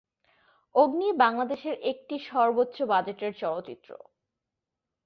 অগ্নি বাংলাদেশের একটি সর্বোচ্চ বাজেটের চলচ্চিত্র।